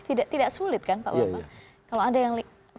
tidak sulit kan pak bapak kalau ada yang